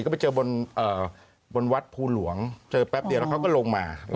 ก็ไปเจอบนวัดภูหลวงเจอแป๊บเดียวแล้วเขาก็ลงมา